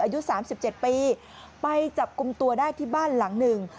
อายุ๓๗ปีไปจับกลุ่มตัวได้ที่บ้านหลังหนึ่ง